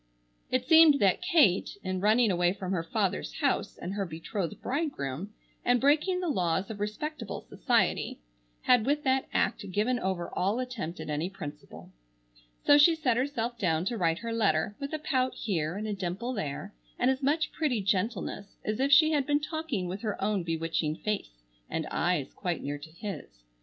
It seemed that Kate, in running away from her father's house and her betrothed bridegroom, and breaking the laws of respectable society, had with that act given over all attempt at any principle. So she set herself down to write her letter, with a pout here and a dimple there, and as much pretty gentleness as if she had been talking with her own bewitching face and eyes quite near to his.